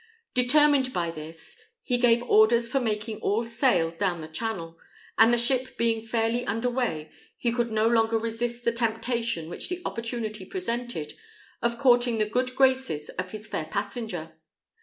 Determined by this, he gave orders for making all sail down the Channel, and the ship being fairly under way, he could no longer resist the temptation which the opportunity presented of courting the good graces of his fair passenger.